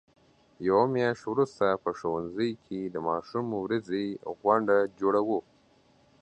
یوه میاشت وروسته په ښوونځي کې د ماشوم ورځې غونډه جوړو.